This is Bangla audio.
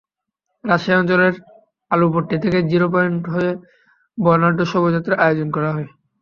রাজশাহী অঞ্চলের আলুপট্টি থেকে জিরো পয়েন্টে হয়ে বর্ণাঢ্য শোভাযাত্রার আয়োজন করা হয়েছে।